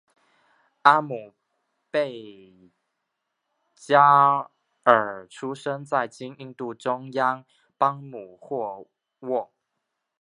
阿姆倍伽尔出生在今印度中央邦姆霍沃。